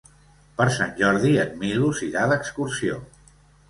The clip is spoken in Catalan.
Per Sant Jordi en Milos irà d'excursió.